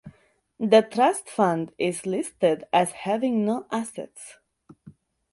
The Trust Fund is listed as having no assets.